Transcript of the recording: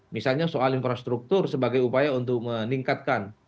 misalnya soal infrastruktur sebagai upaya untuk meningkatkan